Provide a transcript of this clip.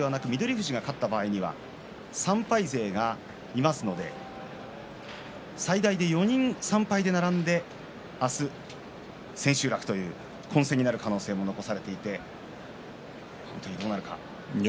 富士が勝った場合には３敗勢がいますので最大で４人３敗で並んで明日千秋楽という混戦になる可能性も残されていて本当にどうなるか。